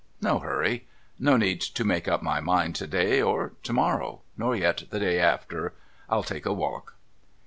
No hurry. No need to make up my mind to day, or to morrow, nor yet the day after. I'll take a walk.'